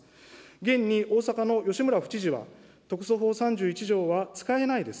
現に大阪の吉村府知事は、特措法３１条は使えないです。